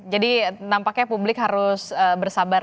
jadi nampaknya publik harus bersabar